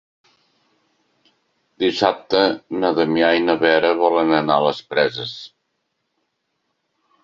Dissabte na Damià i na Vera volen anar a les Preses.